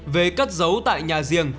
về cất giấu tại nhà riêng